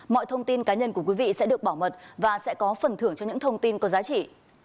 mọi thông tin cá nhân của quý vị sẽ được bảo mật và sẽ có phần thưởng cho những thông tin có giá trị